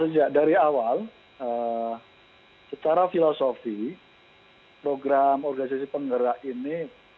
ya dari awal secara filosofi program organisasi penggerak ini